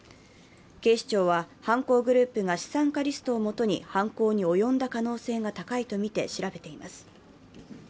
警視庁は犯行グループが資産家リストをもとに犯行に及んだ可能性が高いとみて調べています。